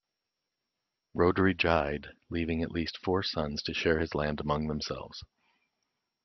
Rhodri died leaving at least four sons to share his land among themselves.